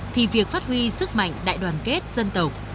thì việc phát huy sức mạnh đại đoàn kết dân tộc